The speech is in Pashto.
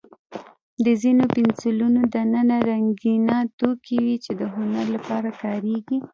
د ځینو پنسلونو دننه رنګینه توکي وي، چې د هنر لپاره کارېږي.